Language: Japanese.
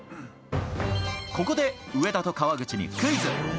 ここで、上田と川口にクイズ。